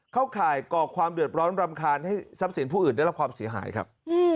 ข่ายก่อความเดือดร้อนรำคาญให้ทรัพย์สินผู้อื่นได้รับความเสียหายครับ